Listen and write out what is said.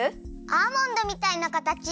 アーモンドみたいなかたち！